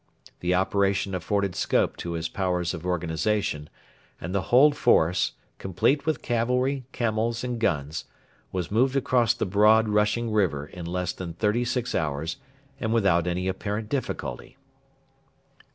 The operation afforded scope to his powers of organisation, and the whole force complete with cavalry, camels, and guns was moved across the broad, rushing river in less than thirty six hours and without any apparent difficulty.